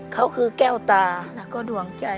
เขาคือแก้วตาแล้วก็ดวงใจ